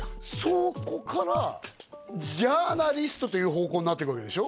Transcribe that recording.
そこからジャーナリストという方向になってくるわけでしょ？